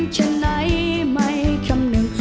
ที่ไปพร้อมกัน